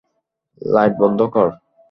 Light বন্ধ কর।